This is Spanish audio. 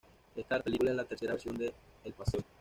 Esta película es la tercera versión de "El paseo".